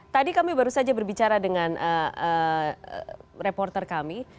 tadi kami baru saja berbicara dengan reporter kami